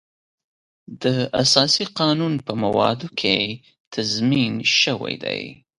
د اساسي قانون په موادو کې تضمین شوی دی.